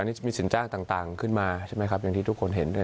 นี่จะมีสินจ้างต่างขึ้นมาใช่ไหมครับอย่างที่ทุกคนเห็นด้วย